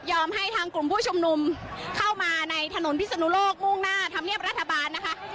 ให้ทางกลุ่มผู้ชุมนุมเข้ามาในถนนพิศนุโลกมุ่งหน้าธรรมเนียบรัฐบาลนะคะ